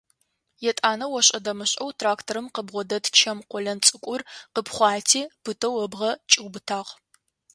Етӏанэ ошӏэ-дэмышӏэу тракторым къыбгъодэт чэм къолэн цӏыкӏур къыпхъуати, пытэу ыбгъэ кӏиубытагъ.